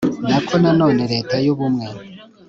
nako na none leta y'ubumwe..